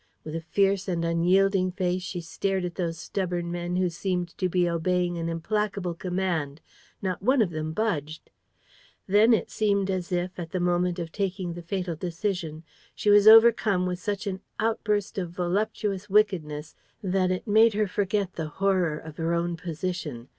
With a fierce and unyielding face she stared at those stubborn men who seemed to be obeying an implacable command. Not one of them budged. Then it seemed as if, at the moment of taking the fatal decision, she was overcome with such an outburst of voluptuous wickedness that it made her forget the horror of her own position.